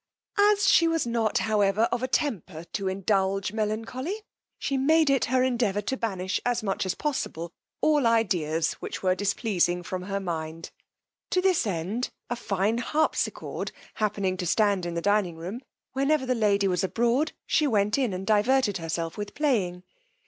As she was not, however, of a temper to indulge melancholy, she made it her endeavour to banish, as much as possible, all ideas which were displeasing from her mind: to this end, a fine harpsicord happening to stand in the dining room, whenever the lady was abroad, she went in and diverted herself with playing.